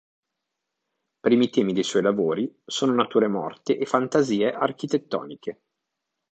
Primi temi dei suoi lavori sono nature morte e fantasie architettoniche.